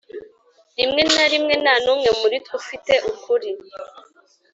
rimwe na rimwe nta n'umwe muri twe ufite ukuri